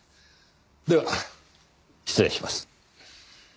では失礼します。